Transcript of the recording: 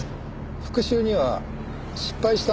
復讐には失敗したんです。